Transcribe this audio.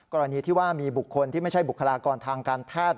กรณีที่ว่ามีบุคคลที่ไม่ใช่บุคลากรทางการแพทย์